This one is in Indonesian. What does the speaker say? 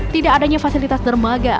tidak adanya fasilitas dermaga